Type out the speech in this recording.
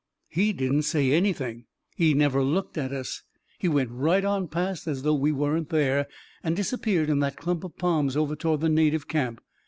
" He didn't say anything. He never looked at 354 A KING IN BABYLON us. He went right on past, as though we weren't there, and disappeared in that clump of palms over toward the native camp.